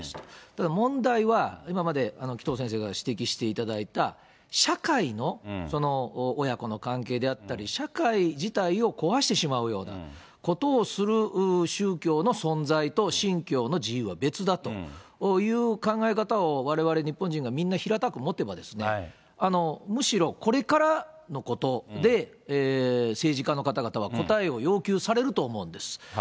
ただ問題は、今まで紀藤先生が指摘していただいた社会の、親子の関係であったり、社会自体を壊してしまうようなことをする宗教の存在と、信教の自由は別だという考え方を、われわれ日本人がみんな平たく持てば、むしろこれからのことで政治家の方々は答えを要求されると思うんです。